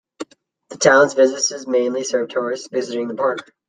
The town's businesses mainly serve tourists visiting the park.